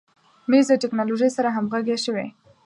مېز د تکنالوژۍ سره همغږی شوی.